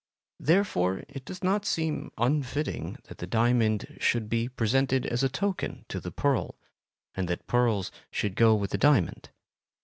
Therefore it does not seem unfitting that the diamond should be presented as a token to the pearl, and that pearls should go with the diamond.